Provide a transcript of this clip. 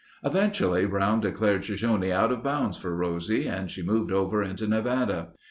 Eventually Brown declared Shoshone out of bounds for Rosie and she moved over into Nevada.